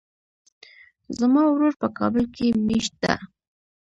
زما ورور په کابل کې ميشت ده.